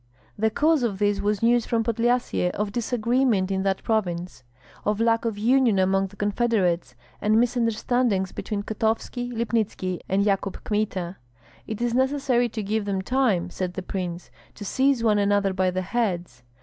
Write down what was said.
The cause of this was news from Podlyasye of disagreement in that province; of lack of union among the confederates, and misunderstandings between Kotovski, Lipnitski, and Yakub Kmita. "It is necessary to give them time," said the prince, "to seize one another by the heads.